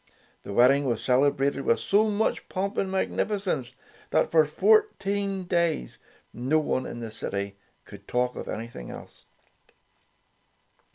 The wedding was celebrated with so much pomp and magnificence that, for fourteen days, no one in the city could talk of anything else.